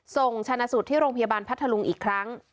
ส่งชนะสูตรที่โรงพยาบาลพัทธลุงอีกครั้ง